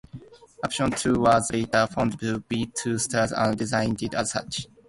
Upsilon, too, was later found to be two stars and designated as such.